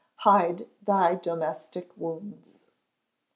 [HIDE THY DOMESTIC WOUNDS.